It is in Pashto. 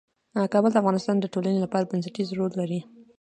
کابل د افغانستان د ټولنې لپاره بنسټيز رول لري.